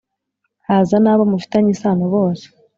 haza n‘abo mufitanye isano bose,